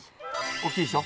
大きいでしょ？